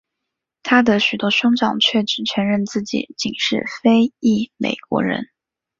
他的许多兄长却只承认自己仅是非裔美国人。